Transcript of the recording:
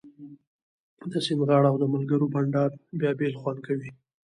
د سیند غاړه او د ملګرو بنډار بیا بل خوند کوي